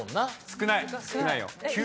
少ないよ。